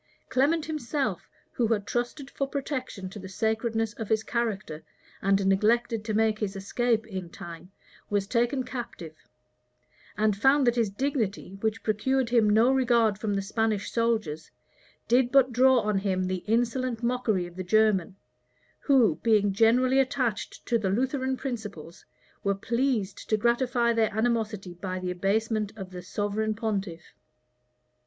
Clement himself, who had trusted for protection to the sacredness of his character, and neglected to make his escape in time, was taken captive; and found that his dignity, which procured him no regard from the Spanish soldiers, did but draw on him the insolent mockery of the German, who, being generally attached to the Lutheran principles, were pleased to gratify their animosity by the abasement of the sovereign pontiff.